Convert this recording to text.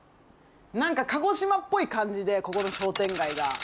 何か鹿児島っぽい感じでここの商店街が。